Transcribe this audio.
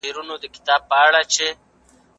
نوښت د ژوند د اسانتیا لاره ده.